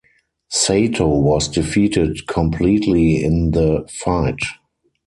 Sato was defeated completely in the fight.